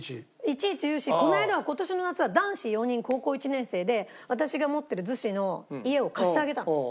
いちいち言うしこの間は今年の夏は男子４人高校１年生で私が持ってる逗子の家を貸してあげたの。